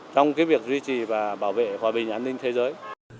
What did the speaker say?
trong việc duy trì và bảo vệ hòa bình an ninh thế giới